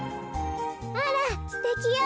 あらすてきよ